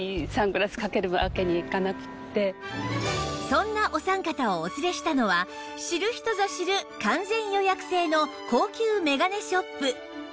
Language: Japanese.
そんなお三方をお連れしたのは知る人ぞ知る完全予約制の高級メガネショップ